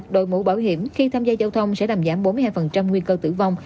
đội mũ bảo hiểm khi tham gia giao thông sẽ làm giảm bốn mươi hai nguy cơ tử vong